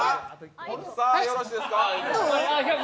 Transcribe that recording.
よろしいですか？